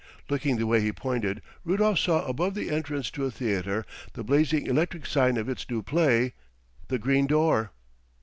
Looking the way he pointed Rudolf saw above the entrance to a theatre the blazing electric sign of its new play, "The Green Door."